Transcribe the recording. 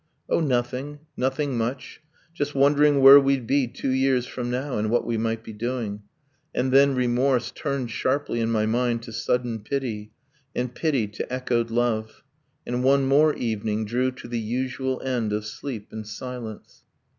'Oh nothing nothing much Just wondering where we'd be two years from now, And what we might be doing ...' And then remorse Turned sharply in my mind to sudden pity, And pity to echoed love. And one more evening Drew to the usual end of sleep and silence.